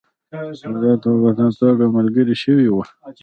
په داوطلبانه توګه ملګري شوي وه.